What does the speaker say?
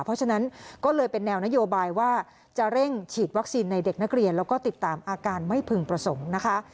เพราะฉะนั้นก็เลยเป็นแนวนโยบายว่าจะเร่งฉีดวัคซีนในเด็กนักเรียนแล้วก็ติดตามอาการไม่พึงประสงค์นะคะ